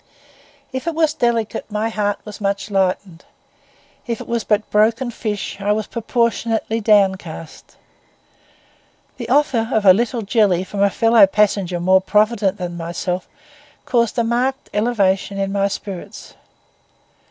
If it was delicate my heart was much lightened; if it was but broken fish I was proportionally downcast. The offer of a little jelly from a fellow passenger more provident than myself caused a marked elevation in my spirits.